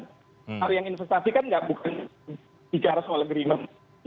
kalau yang investasi kan bukan bicara soal agreement